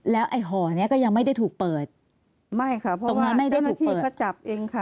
แล้วไอ้ห่อเนี้ยก็ยังไม่ได้ถูกเปิดไม่ค่ะตรงนั้นไม่เจ้าหน้าที่เขาจับเองค่ะ